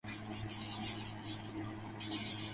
团体射箭比赛亦是分为排名赛及淘汰赛。